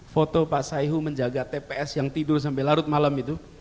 foto pak saihu menjaga tps yang tidur sampai larut malam itu